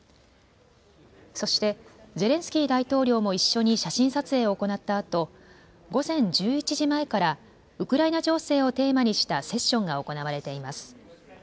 そしてゼレンスキー大統領も一緒に写真撮影を行ったあと、午前１１時前からウクライナ情勢をテーマにしたセッションが行われています。